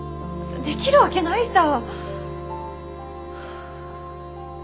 できるわけないさ。